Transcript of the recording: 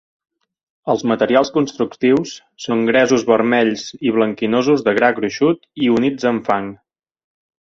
Els materials constructius són gresos vermells i blanquinosos de gra gruixut i units amb fang.